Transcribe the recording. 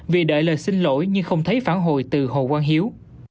vì đợi lời xin lỗi nhưng không thấy phản hồi từ hồ quang hiếu